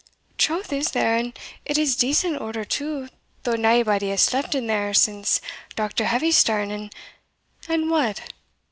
"Troth is there, and it is in decent order too, though naebody has sleepit there since Dr. Heavysterne, and" "And what?"